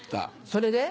それで？